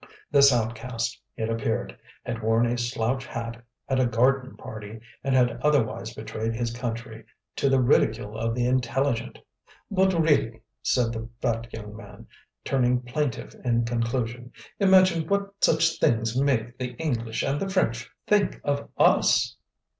This outcast, it appeared, had worn a slouch hat at a garden party and had otherwise betrayed his country to the ridicule of the intelligent. "But really," said the fat young man, turning plaintiff in conclusion, "imagine what such things make the English and the French think of US!"